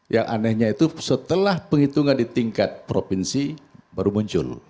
yang anehnya itu setelah penghitungan di tingkat provinsi baru muncul